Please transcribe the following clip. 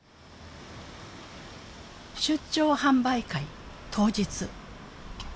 出張販売会当日。